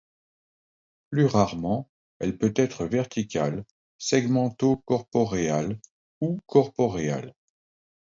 Plus rarement, elle peut être verticale, segmento-corporéale ou corporéale.